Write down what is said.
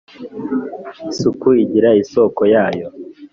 Isuku igira isoko yayo